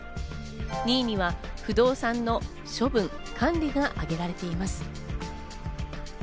２位には不動産の処分・管理が挙げられています。